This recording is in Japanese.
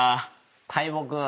大木？